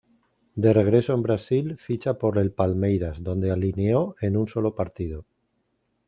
De regreso en Brasil ficha por el Palmeiras donde alineó en sólo un partido.